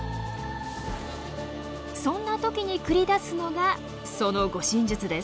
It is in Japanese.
そんな時に繰り出すのがその護身術です。